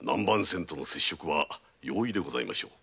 船との接触は容易でございましょう。